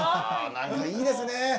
何かいいですね！